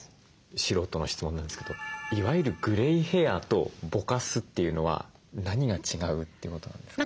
素人の質問なんですけどいわゆるグレイヘアとぼかすっていうのは何が違うってことなんですか？